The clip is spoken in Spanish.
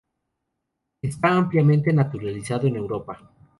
Está ampliamente naturalizado en Europa.